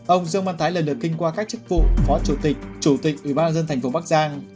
ông dương văn thái lần lượt kinh qua các chức vụ phó chủ tịch chủ tịch ủy ban dân thành phố bắc giang